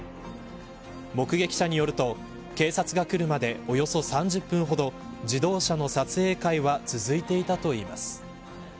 目撃者によると、警察が来るまでおよそ３０分ほど自動車の撮影会は続いていたといいます。